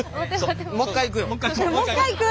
もう一回いく。